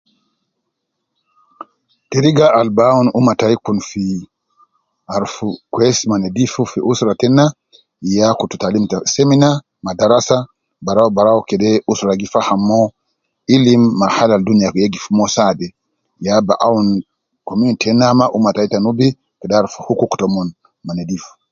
Teriga al bi awun ummah tayi kun fi aruf kwesi ma nedif fi usra tena ya kutu taalim ta seminar ma darasa barau barau kede usra gi faham uwo, ilim mahal al duniya yegif mo saade, ya ba awun community tena ama ummah tayi te nubi kede aruf hukuk tomon ma nedif.